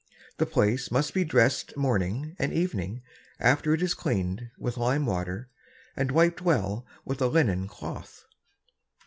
The Place must be dress'd Morning and Evening after it is clean'd with Lime Water, and wiped well with a Linnen Cloth.